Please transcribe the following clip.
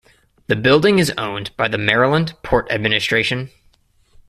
The building is owned by the Maryland Port Administration.